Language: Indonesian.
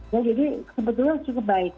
jadi sebetulnya cukup baik